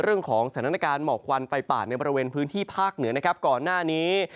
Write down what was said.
เรื่องของสถานการณ์หมอกควันไฟป่าในบริเวณพื้นที่ภาคเหนือนะครับก่อนหน้านี้